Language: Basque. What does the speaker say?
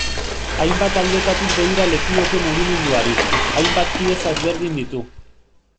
Hainbat aldetatik begira lekioke mugimenduari, hainbat pieza ezberdin ditu.